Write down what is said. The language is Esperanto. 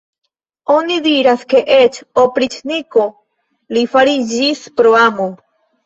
Oni diras, ke eĉ opriĉniko li fariĝis pro amo.